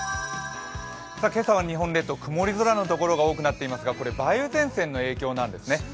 今朝は日本列島曇り空のところが多くなっていますがこれ梅雨前線の影響なんですね。